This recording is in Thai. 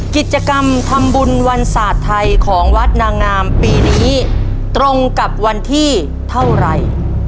กิจกรรมทำบุญวันศาสตร์ไทยของวัดนางงามปีนี้ตรงกับวันที่เท่าไหร่